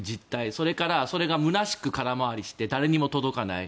それからそれが空しく空回りして誰にも届かない。